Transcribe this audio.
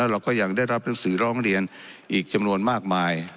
เราก็ยังได้รับหนังสือร้องเรียนอีกจำนวนมากมาย